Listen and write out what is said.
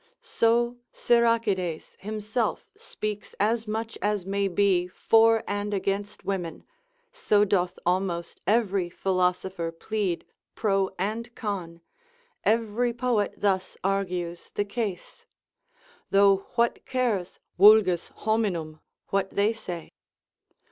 So Siracides himself speaks as much as may be for and against women, so doth almost every philosopher plead pro and con, every poet thus argues the case (though what cares vulgus nominum what they say?)